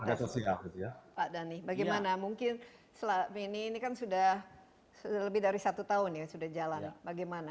pak dhani bagaimana mungkin selama ini ini kan sudah lebih dari satu tahun ya sudah jalan bagaimana